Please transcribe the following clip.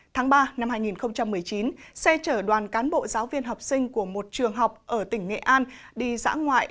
tháng ba năm hai nghìn một mươi chín xe chở đoàn cán bộ giáo viên học sinh của một trường học ở tỉnh nghệ an đi dã ngoại